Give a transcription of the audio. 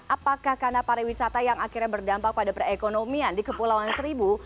apakah karena pariwisata yang akhirnya berdampak pada perekonomian di kepulauan seribu